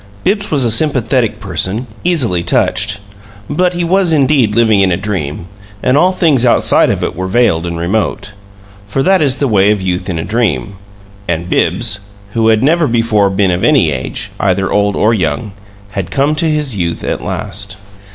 Bibbs was a sympathetic person, easily touched, but he was indeed living in a dream, and all things outside of it were veiled and remote for that is the way of youth in a dream. And Bibbs, who had never before been of any age, either old or young, had come to his youth at last.